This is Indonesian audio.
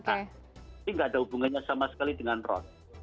tapi enggak ada hubungannya sama sekali dengan ron